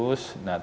kita bisa melihat